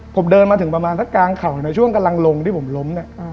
ผมเดินมาถึงประมาณสักกลางเข่าในช่วงกำลังลงที่ผมล้มเนี่ย